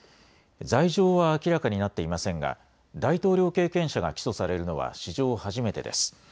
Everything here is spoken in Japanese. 罪状は明らかになっていませんが大統領経験者が起訴されるのは史上初めてです。